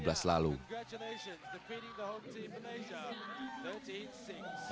selamat menang menang